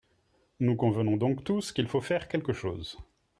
Nous convenons donc tous qu’il faut faire quelque chose.